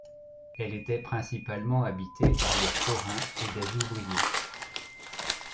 Elle était principalement habitée par des forains et des ouvriers.